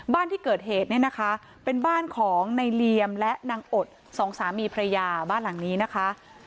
บ้านที่เกิดเหตุเนี่ยนะคะเป็นบ้านของในเหลี่ยมและนางอดสองสามีพระยาบ้านหลังนี้นะคะ